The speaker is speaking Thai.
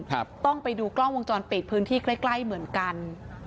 ก็ต้องไปดูกล้องวงจรเปลี่ยนพื้นที่ใกล้เหมือนกัน